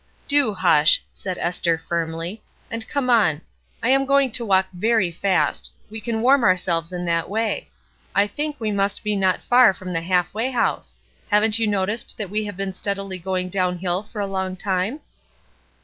"Do hush!" said Esther, firmly. "And come on. I am going to walk very fast; we can warm ourselves in that way. I think we must be not far from the Half way House. Haven't you noticed that we have been steadily going down hill for a long time?"